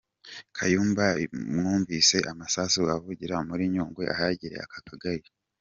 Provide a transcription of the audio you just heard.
Ko nyuma bumvise amasasu avugira muri Nyungwe ahegereye aka kagari.